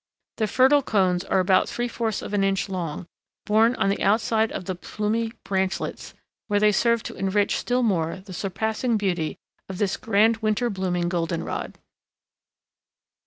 The fertile cones are about three fourths of an inch long, borne on the outside of the plumy branchlets, where they serve to enrich still more the surpassing beauty of this grand winter blooming goldenrod.